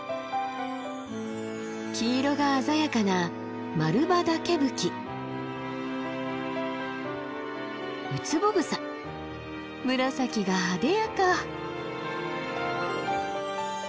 黄色が鮮やかな紫があでやか！